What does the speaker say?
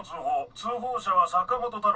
通報者は坂本太郎。